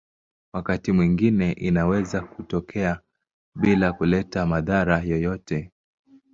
Wakati mwingine inaweza kutokea bila kuleta madhara yoyote.